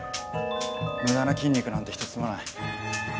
無駄な筋肉なんて、一つもない。